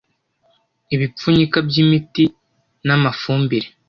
Ibipfunyika by imiti n amafumbire